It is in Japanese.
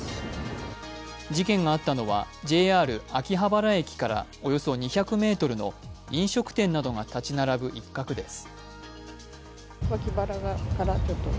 事件があったのはＪＲ秋葉原駅からおよそ２００ｍの飲食店などが立ち並ぶ一角です。